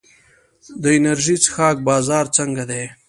د انرژي څښاک بازار څنګه دی؟